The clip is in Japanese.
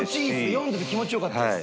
読んでて気持ち良かったです。